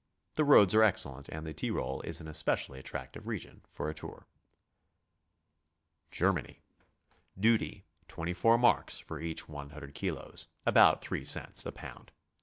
The roads are excellent, and the Tyrol is an especially attractive region for a tour. GERMANY. Duty, 24 marks for each 100 kilos, — about three cents a pound.